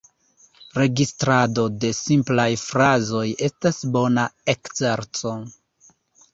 Registrado de simplaj frazoj estas bona ekzerco.